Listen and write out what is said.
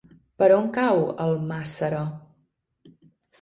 Per on cau Almàssera?